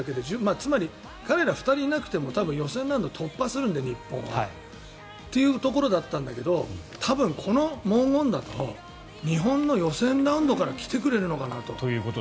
つまり彼ら２人いなくても多分、予選なんて突破するんで、日本は。というところだったんだけど多分、この文言だと日本の予選ラウンドから来てくれるのかなと。